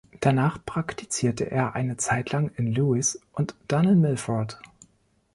Danach praktizierte er eine Zeit lang in Lewes und dann in Milford.